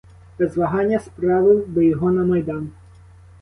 Без вагання справив би його на майдан.